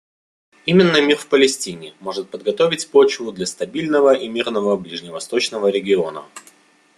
Именно мир в Палестине может подготовить почву для стабильного и мирного ближневосточного региона.